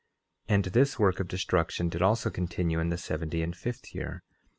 11:6 And this work of destruction did also continue in the seventy and fifth year.